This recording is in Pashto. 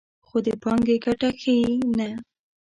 خو د پانګې ګټه ښیي نه